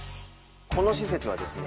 この施設はですね